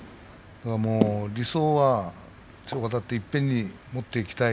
理想は強くあたっていっぺんに持っていきたい。